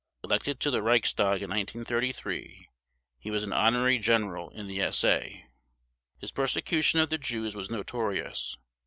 Elected to the Reichstag in 1933, he was an honorary general in the SA. His persecution of the Jews was notorious.